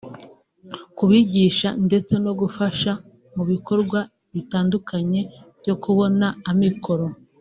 kubigisha ndetse no gufasha mu bikorwa bitandukanye byo kubona amikoro